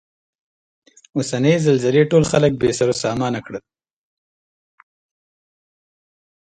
اوسنۍ زلزلې ټول خلک بې سرو سامانه کړل.